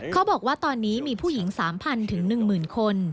เขาบอกว่าตอนนี้มีผู้หญิง๓๐๐๑๐๐คน